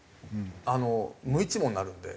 あの無一文になるので。